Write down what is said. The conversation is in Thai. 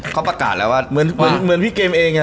เขาประกาศแล้วว่าเหมือนพี่เกมเอง